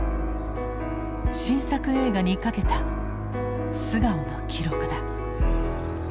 新作映画にかけた素顔の記録だ。